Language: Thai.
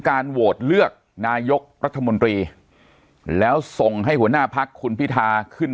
การโหวตเลือกนายกรัฐมนตรีแล้วส่งให้หัวหน้าพักคุณพิธาขึ้น